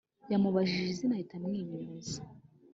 yamubajije izina ahita amwimyoza